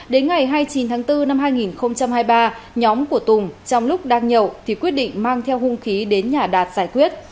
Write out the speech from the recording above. đến ngày hai mươi chín tháng bốn năm hai nghìn hai mươi ba nhóm của tùng trong lúc đang nhậu thì quyết định mang theo hung khí đến nhà đạt giải quyết